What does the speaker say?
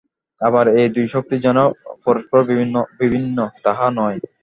আবার এই দুই শক্তি যে পরস্পর বিভিন্ন, তাহা নয়।